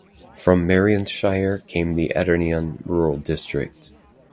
From Merionethshire came the Edeyrnion Rural District.